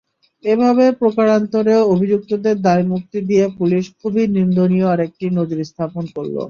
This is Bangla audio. এভাবে প্রকারান্তরে অভিযুক্তদের দায়মুক্তি দিয়ে পুলিশ খুবই নিন্দনীয় আরেকটি নজির স্থাপন করল।